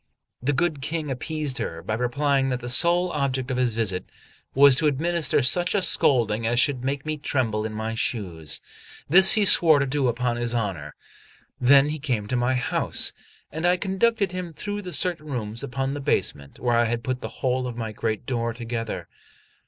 The good King appeased her by replying that the sole object of his visit was to administer such a scolding as should make me tremble in my shoes. This he swore to do upon his honour. Then he came to my house, and I conducted him through certain rooms upon the basement, where I had put the whole of my great door together.